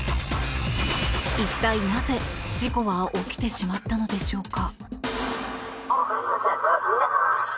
一体なぜ事故は起きてしまったのでしょうか。